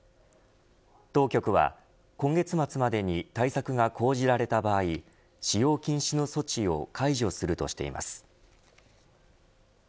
当局は今月末までに対策が講じられた場合使用禁止の措置を解除するとしています。